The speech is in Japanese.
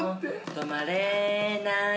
止まれない